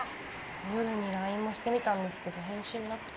夜にＬＩＮＥもしてみたんですけど返信なくて。